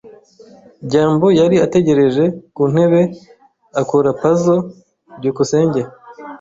byambo yari ategereje ku ntebe, akora puzzle. byukusenge